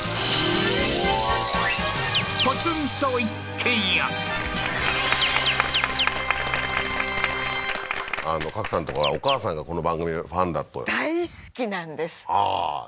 今夜も賀来さんとかお母さんがこの番組のファンだと大好きなんですああー